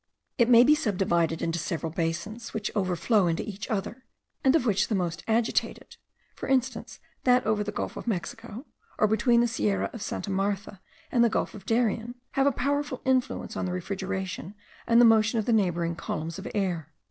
It may be subdivided into several basins, which overflow into each other, and of which the most agitated (for instance, that over the gulf of Mexico, or between the sierra of Santa Martha and the gulf of Darien) have a powerful influence on the refrigeration and the motion of the neighbouring columns of air.